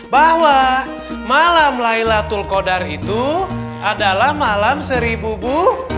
bahwa malam layla tulkodar itu adalah malam seribu bu